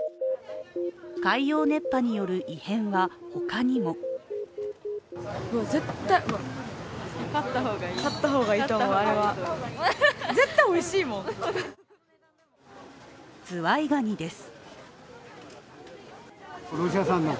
海洋熱波による異変は、他にもズワイガニです。